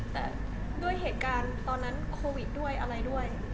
แต่ด้วยเหตุการณ์ตอนนั้นโควิดด้วยอะไรด้วย